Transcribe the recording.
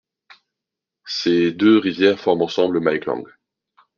Ces deux rivières forment ensemble la Mae Klong.